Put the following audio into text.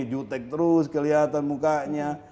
jutek terus kelihatan mukanya